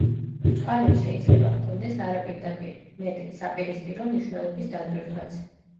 ბრჭყალებს შეიძლება ჰქონდეს არაპირდაპირი, მეტიც საპირისპირო, მნიშვნელობის დატვირთვაც.